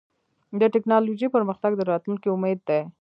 د ټکنالوجۍ پرمختګ د راتلونکي امید دی.